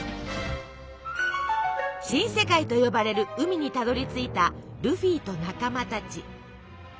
新世界と呼ばれる海にたどりついたルフィと仲間たち。